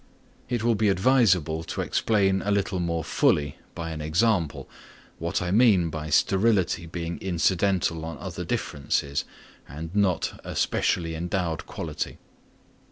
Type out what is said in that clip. It will be advisable to explain a little more fully, by an example, what I mean by sterility being incidental on other differences, and not a specially endowed quality.